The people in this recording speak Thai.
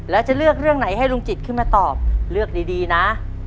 แล้วจะเลือกเรื่องไหนให้ลุงจิตขึ้นมาตอบเลือกดีนะ